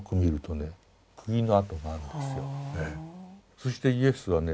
そしてイエスはね